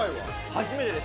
初めてです。